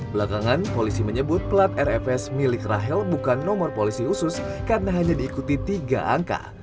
belakangan polisi menyebut pelat rfs milik rahel bukan nomor polisi khusus karena hanya diikuti tiga angka